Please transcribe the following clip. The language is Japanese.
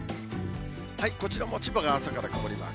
こちらも千葉が朝から曇りマーク。